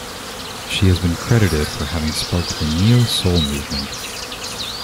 She has been credited for having sparked the neo-soul movement.